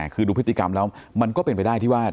คือดูพฤติกรรมแล้วมันก็เป็นไปได้ที่ว่า